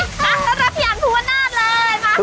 มารับพี่อ่านทุกวันนาฬเลย